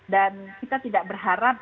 dan kita tidak berharap